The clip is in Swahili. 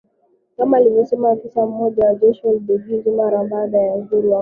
Kama alivyosema afisa mmoja wa jeshi la Ubeligiji mara baada ya uhuru wa Kongo